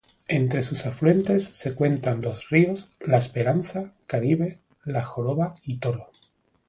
Entre sus afluentes se cuentan los ríos La Esperanza, Caribe, La Joroba y Toro.